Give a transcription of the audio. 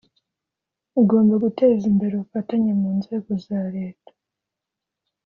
Ugomba guteza imbere ubufatanye mu nzego za Leta